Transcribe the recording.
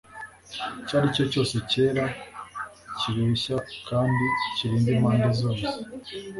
icyaricyo cyose cyera kibeshya kandi kirinda impande zose